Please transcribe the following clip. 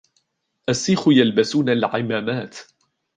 السيخ يلبسون العمامات.